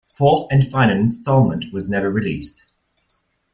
Fourth and final installment was never released.